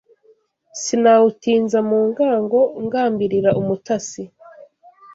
Sinawutinza mu ngango ngambirira umutasi